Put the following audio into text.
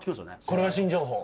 これも新情報。